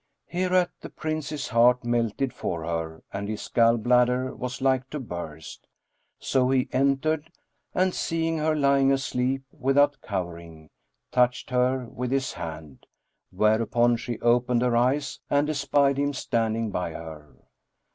Hereat the Prince's heart melted for her and his gall bladder was like to burst, so he entered and, seeing her lying asleep without covering,[FN#22] touched her with his hand; whereupon she opened her eyes and espied him standing by her.